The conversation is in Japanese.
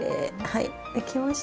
はいできました。